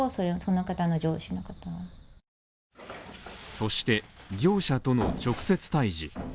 そして、業者との直接対峙。